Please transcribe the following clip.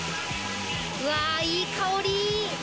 うわいい香り！